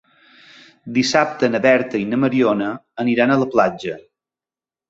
Dissabte na Berta i na Mariona aniran a la platja.